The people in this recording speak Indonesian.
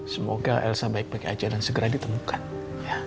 semoga elsa baik baik aja dan segera ditemukan